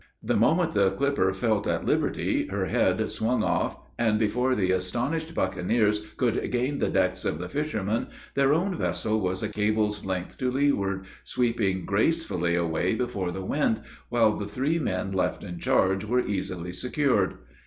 The moment the clipper felt at liberty, her head swung off, and, before the astonished buccaneers could gain the decks of the fisherman, their own vessel was a cable's length to leeward, sweeping gracefully away before the wind, while the three men left in charge were easily secured.